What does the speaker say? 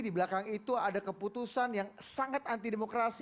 di belakang itu ada keputusan yang sangat anti demokrasi